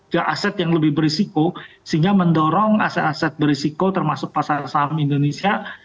ke aset yang lebih berisiko sehingga mendorong aset aset berisiko termasuk pasar saham indonesia